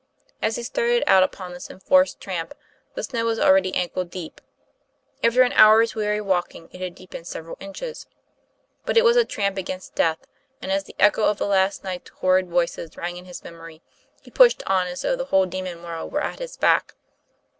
As he started out upon this enforced tramp, the snow was already ankle deep; after an hour's weary walking it had deepened several inches. But it was a tramp against death, and as the echo of the last night's horrid voices rang in his memory, he pushed on as though the whole demon world were at his back.